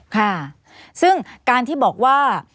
ค่ะซึ่งการที่บอกว่า